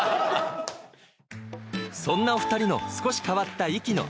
そんなお２人の少し変わった息の